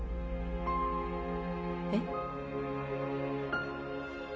えっ？